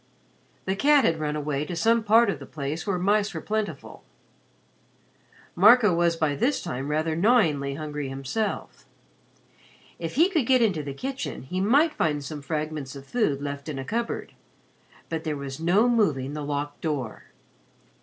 The cat had run away to some part of the place where mice were plentiful. Marco was by this time rather gnawingly hungry himself. If he could get into the kitchen, he might find some fragments of food left in a cupboard; but there was no moving the locked door.